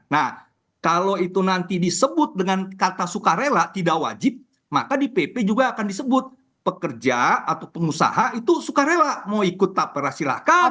nah kalau itu nanti disebut dengan kata suka rela tidak wajib maka di pp juga akan disebut pekerja atau pengusaha itu suka rela mau ikut tapera silahkan